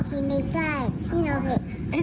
ชีวิตอะไรหรือคะ